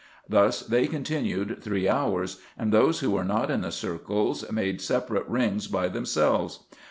Thus they continued three hours, and those who were not in the circles made separate rings by themselves.